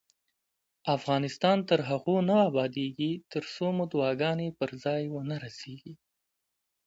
افغانستان تر هغو نه ابادیږي، ترڅو مو دعاګانې پر ځای ونه رسیږي.